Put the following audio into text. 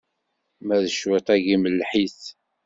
Ma d cwiṭ-agi, melleḥ-it!